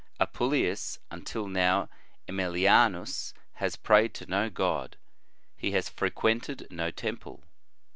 "* Apuleius: "Until now ^milianus has prayed to no god ; he has frequented no temple.